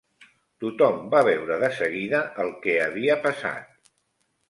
Tothom va veure de seguida el què havia passat.